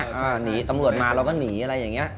หนีตำรวจมาเราก็หนีอะไรอย่างนี้